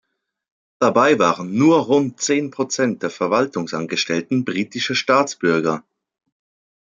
Dabei waren nur rund zehn Prozent der Verwaltungsangestellten britische Staatsbürger.